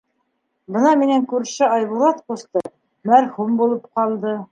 Бына минең күрше Айбулат ҡусты мәрхүм булып ҡалды.